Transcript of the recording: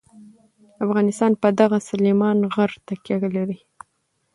افغانستان په دغه سلیمان غر تکیه لري.